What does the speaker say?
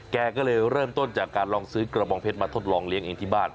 แกก็เลยเริ่มต้นจากการลองซื้อกระบองเพชรมาทดลองเลี้ยงเองที่บ้าน